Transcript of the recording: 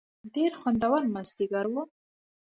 ډېر خوندور مازیګر و.